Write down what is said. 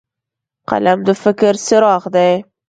قلم د فکر څراغ دی